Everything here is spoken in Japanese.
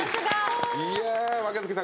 いや若槻さん